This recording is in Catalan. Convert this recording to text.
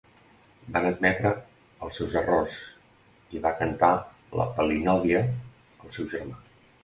Va admetre els seus errors i va cantar la palinòdia al seu germà.